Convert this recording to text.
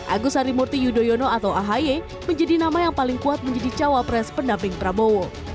agus harimurti yudhoyono atau ahy menjadi nama yang paling kuat menjadi cawapres pendamping prabowo